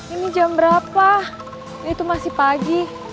ini jam berapa ini tuh masih pagi